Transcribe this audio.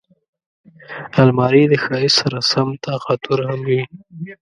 الماري د ښایست سره سم طاقتور هم وي